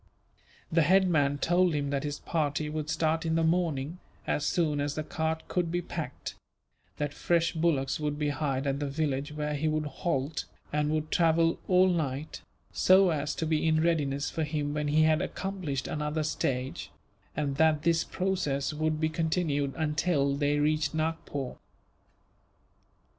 The head man told him that his party would start in the morning, as soon as the cart could be packed; that fresh bullocks would be hired at the village where he would halt, and would travel all night, so as to be in readiness for him when he had accomplished another stage; and that this process would be continued until they reached Nagpore.